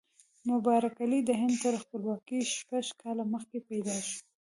مبارک علي د هند تر خپلواکۍ شپږ کاله مخکې پیدا شو.